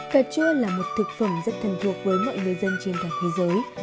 cà chua là một thực phẩm rất thân thuộc với mọi người dân trên toàn thế giới